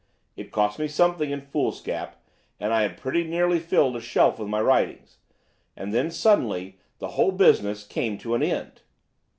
It cost me something in foolscap, and I had pretty nearly filled a shelf with my writings. And then suddenly the whole business came to an end."